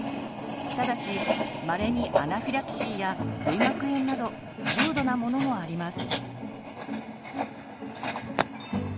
ただしまれにアナフィラキシーや髄膜炎など重度なものもあります。